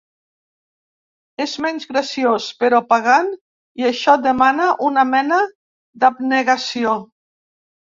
És menys graciós, però pagant i això demana una mena d'abnegació.